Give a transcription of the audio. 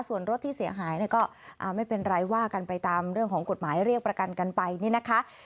ส่วนรถที่เสียหายเนี่ยก็ไม่เป็นไรว่ากันไปตามเรื่องของกฎหมายเรียกประกันกันไปนี่นะคะ